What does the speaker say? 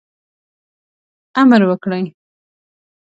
امر وکړي.